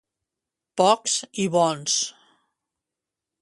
Pocs i bons!